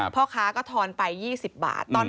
พ่อค้าก็ทอนไป๒๐บาท